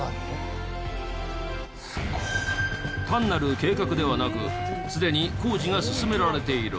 単なる計画ではなくすでに工事が進められている。